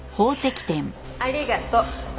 ありがとう。